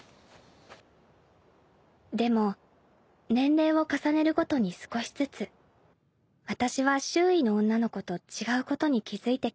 ［でも年齢を重ねるごとに少しずつ私は周囲の女の子と違うことに気付いてきた］